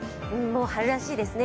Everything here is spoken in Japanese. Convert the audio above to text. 春らしいですね。